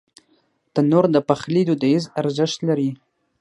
تنور د پخلي دودیز ارزښت لري